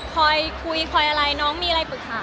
คอยคุยคอยอะไรน้องมีอะไรปรึกษา